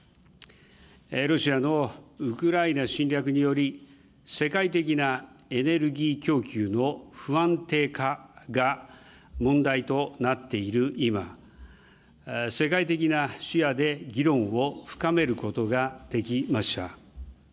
ロシアのウクライナ侵略により、世界的なエネルギー供給の不安定化が問題となっている今、世界的な視野で議論を深めることができました。